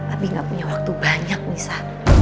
abi gak punya waktu banyak nisa